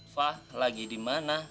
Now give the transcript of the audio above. fah lagi di mana